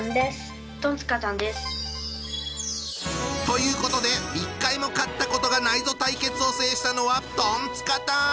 ということで一回も勝ったことがないぞ対決を制したのはトンツカタン！